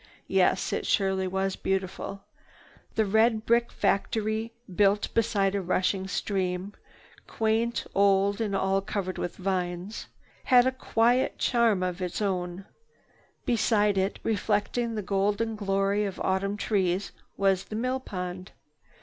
Yes, it surely was beautiful. The red brick factory, built beside a rushing stream, quite old and all covered with vines, had a quiet charm all its own. Beside it, reflecting the golden glory of autumn trees, was the millpond.